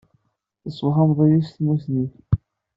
Testwehmeḍ-iyi s tmusni-k.